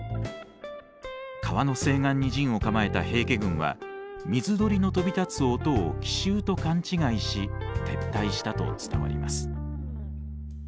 川の西岸に陣を構えた平家軍は水鳥の飛び立つ音を奇襲と勘違いし撤退したと伝わります。